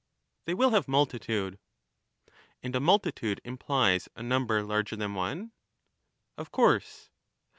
They will have multitude. And a multitude implies a number larger than one ? Of course.